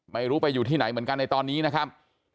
ไม่รู้ไปอยู่ที่ไหนเหมือนกันในตอนนี้นะครับ